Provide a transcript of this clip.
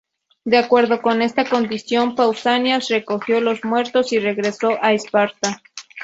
De acuerdo con esta condición, Pausanias recogió los muertos y regresó a Esparta.